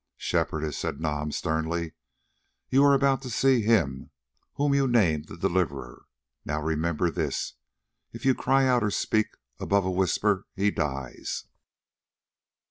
"Shepherdess," said Nam sternly, "you are about to see him whom you name the Deliverer. Now remember this, if you cry out or speak above a whisper—he dies."